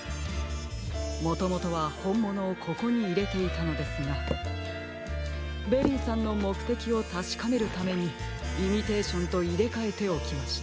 もともとはほんものをここにいれていたのですがベリーさんのもくてきをたしかめるためにイミテーションといれかえておきました。